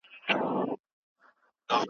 هغه خلګ چي په کليو کي اوسېږي، خپل دودونه لري.